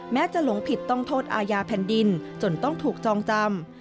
จะหลงผิดต้องโทษอาญาแผ่นดินจนต้องถูกจองจำ